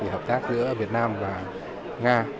hợp tác giữa việt nam và nga